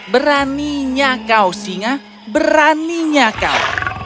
beraninya kau singa beraninya kau